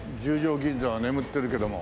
銀座は眠ってるけども。